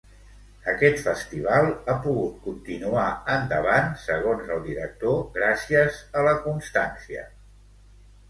Aquest festival ha pogut continuar endavant, segons el director, gràcies a la constància.